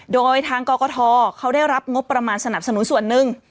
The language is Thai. โดยทางกกทเขาได้รับงบประมาณสนับสนุนส่วนหนึ่ง